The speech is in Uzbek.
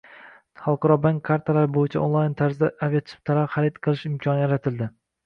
Xalqaro bank kartalari bo‘yicha onlayn tarzda aviachiptalar xarid qilish imkoni yaratildi